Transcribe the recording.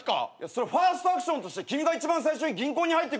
ファーストアクションとして君が一番最初に銀行に入ってくってことでしょ。